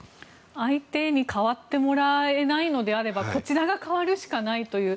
相手に変わってもらえないのであればこちらが変わるしかないという。